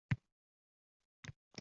ancha tezlashgani aniq.